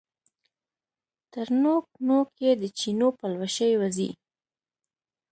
تر نوک، نوک یې د چینو پلوشې وځي